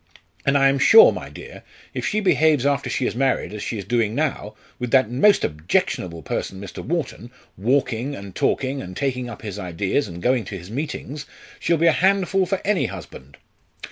And I am sure, my dear, if she behaves after she is married as she is doing now, with that most objectionable person Mr. Wharton walking, and talking, and taking up his ideas, and going to his meetings she'll be a handful for any husband."